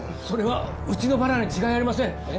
それはうちのバナナに違いありません。